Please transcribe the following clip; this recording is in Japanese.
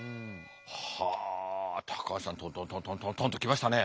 はあ高橋さんトントントントンと来ましたね。